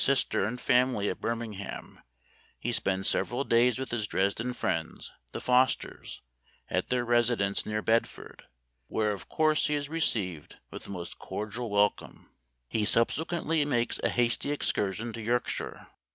sister and family at Birmingham, he spends several days with his Dresden friends, the Fos ters, at their residence near Bedford, where of course he is received with the most cordial wel come. He subsequently makes a hasty excur sion to Yorkshire.